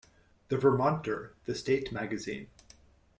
The Vermonter, the State Magazine.